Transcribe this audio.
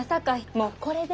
もうこれで。